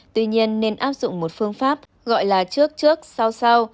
tuy nhiên nên áp dụng một phương pháp gọi là trước trước sao sao